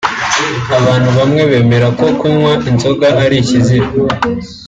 Abantu bamwe bemeza ko kunywa inzoga ari ikizira